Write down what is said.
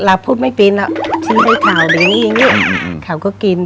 เราพูดไม่เป็นอ่ะฉันได้ข่าวอย่างนี้อย่างนี้เขาก็กิน